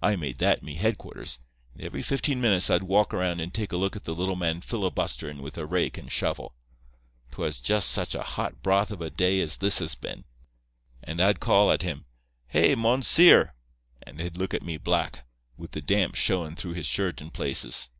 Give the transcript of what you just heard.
I made that me headquarters, and every fifteen minutes I'd walk around and take a look at the little man filibusterin' with a rake and shovel. 'Twas just such a hot broth of a day as this has been. And I'd call at him 'Hey, monseer!' and he'd look at me black, with the damp showin' through his shirt in places.